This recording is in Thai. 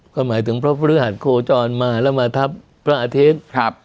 ก็หมายถึงพระพฤหัสโคจรมาแล้วมาทับพระอาทิตย์